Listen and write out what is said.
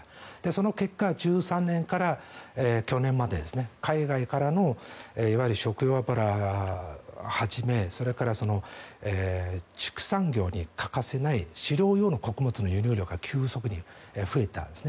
その結果、１３年から去年まで海外からのいわゆる食用油をはじめそれから畜産業に欠かせない飼料用の穀物の輸入量が急速に増えたんです。